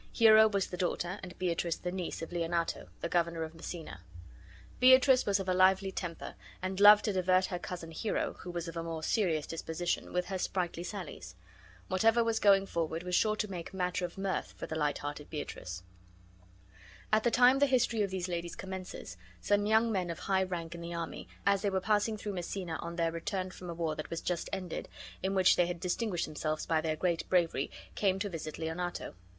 Hero was the daughter, and Beatrice the niece, of Leonato, the governor of Messina. Beatrice was of a lively temper and loved to divert her cousin Hero, who was of a more serious disposition, with her sprightly sallies. Whatever was going forward was sure to make matter of mirth for the light hearted Beatrice. At the time the history of these ladies commences some young men of high rank in the army, as they were passing through Messina on their return from a war that was just ended, in which they bad distinguished themselves by their great bravery, came to visit Leonato.